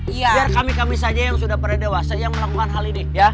biar kami kami saja yang sudah pada dewasa yang melakukan hal ini